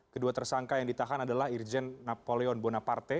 kedua tersangka yang ditahan adalah irjen napoleon bonaparte